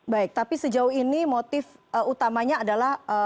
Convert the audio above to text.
baik tapi sejauh ini motif utamanya adalah